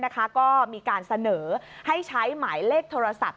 ก็มีการเสนอให้ใช้หมายเลขโทรศัพท์